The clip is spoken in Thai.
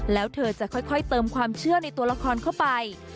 แล้วเธอจะค่อยเติมความเชื่อในตัวละครเข้าไป